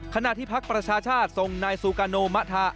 ขณะที่ภักดิ์ประชาชาติส่งนายซูกาโนมะธา